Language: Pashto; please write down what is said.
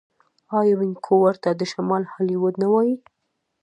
آیا وینکوور ته د شمال هالیوډ نه وايي؟